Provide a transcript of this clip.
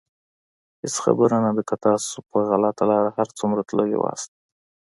هېڅ خبره نه ده که تاسو په غلطه لاره هر څومره تللي وئ.